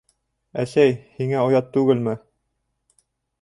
Әсәй, һиңә оят түгелме?